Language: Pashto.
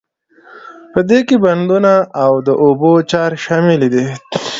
په دې کې بندونه او د اوبو چارې شاملې دي.